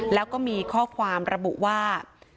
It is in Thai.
แล้วก็มีข้อความระบุว่า